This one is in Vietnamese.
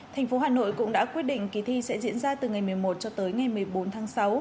thành phố hà nội cũng đã quyết định kỳ thi sẽ diễn ra từ ngày một mươi một cho tới ngày một mươi bốn tháng sáu